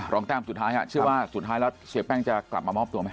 แต้มสุดท้ายเชื่อว่าสุดท้ายแล้วเสียแป้งจะกลับมามอบตัวไหม